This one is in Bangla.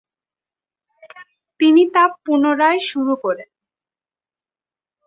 তিনি তা পুনরায় শুরু করেন।